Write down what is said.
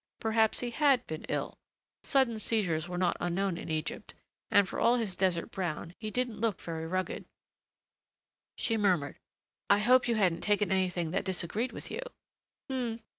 Perhaps he had been ill. Sudden seizures were not unknown in Egypt. And for all his desert brown he didn't look very rugged. She murmured, "I hope you hadn't taken anything that disagreed with you."